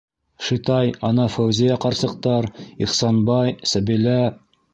Шитай, ана Фәүзиә ҡарсыҡтар, Ихсанбай, Сәбилә.